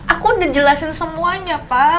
aku udah jelasin semuanya pak